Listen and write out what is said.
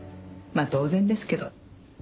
まあ当然ですけど。